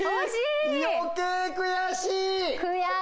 余計悔しい！